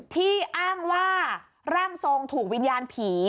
ที่อ้างว่าร่างทรงถูกวิญญาณผี